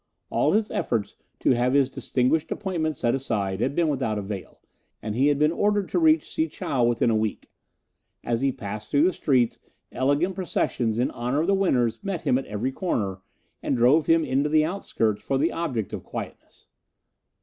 All his efforts to have his distinguished appointment set aside had been without avail, and he had been ordered to reach Si chow within a week. As he passed through the streets, elegant processions in honour of the winners met him at every corner, and drove him into the outskirts for the object of quietness.